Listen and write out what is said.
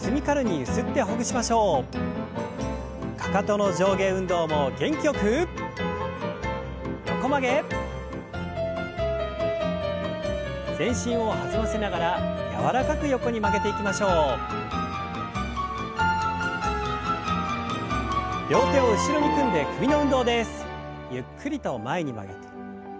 ゆっくりと前に曲げて。